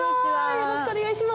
よろしくお願いします。